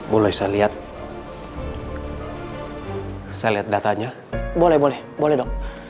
boleh boleh dok